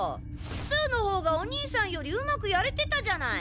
ツウのほうがお兄さんよりうまくやれてたじゃない。